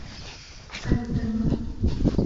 Ҡайттыңмы?